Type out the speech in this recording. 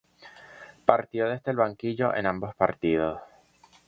Partió desde el banquillo en ambos partidos.